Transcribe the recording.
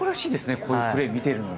こういうプレーを見てるのが。